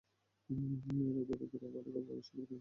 এঁরা দূরে দূরে বাড়িঘর বানায় এবং স্বার্থপরের মতো একা একা থাকে।